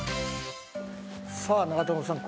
さあ長友さん